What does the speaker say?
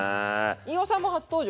飯尾さんも初登場！